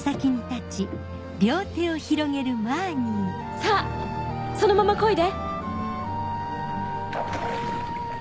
さぁそのままこいで！